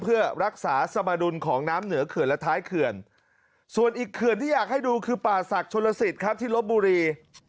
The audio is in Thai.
เพื่อรักษาสมดุลของน้ำเหนือเขื่อนและท้ายเขื่อนส่วนอีกเขื่อนที่อยากให้ดูคือป่าศักดิ์ชนลสิทธิ์ครับที่ลบบุรี